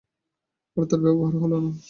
আর তার ব্যবহার হল না।